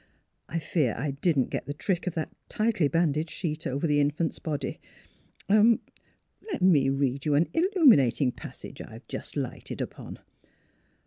I fear I didn't get the trick of that tightly banded sheet over the infant's body. Er let me read you an illuminating passage I have just lighted upon."